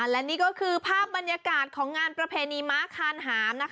และนี่ก็คือภาพบรรยากาศของงานประเพณีม้าคานหาม